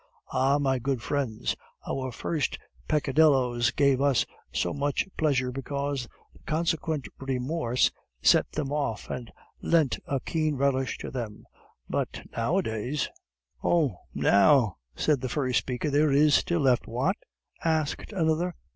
Ah, my good friends, our first peccadilloes gave us so much pleasure because the consequent remorse set them off and lent a keen relish to them; but nowadays " "Oh! now," said the first speaker, "there is still left " "What?" asked another.